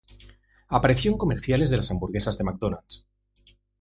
Apareció en comerciales de las hamburguesas de McDonald's.